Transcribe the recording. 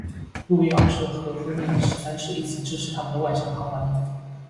路易二世与亨利十三世一起支持他们的外甥康拉丁。